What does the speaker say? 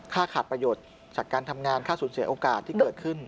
ขาดประโยชน์จากการทำงานค่าสูญเสียโอกาสที่เกิดขึ้น